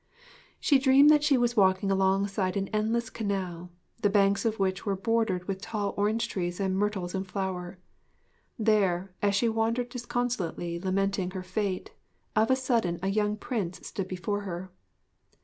She dreamed that she was walking alongside an endless canal, the banks of which were bordered with tall orange trees and myrtles in flower. There, as she wandered disconsolately lamenting her fate, of a sudden a young Prince stood before her.